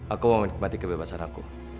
aku mau menikmati kebebasan aku